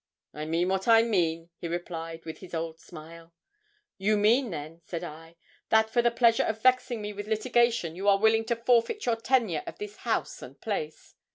'"I mean what I mean," he replied, with his old smile. '"You mean then," said I, "that for the pleasure of vexing me with litigation, you are willing to forfeit your tenure of this house and place."